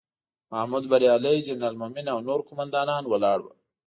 محمود بریالی، جنرال مومن او نور قوماندان ولاړ وو.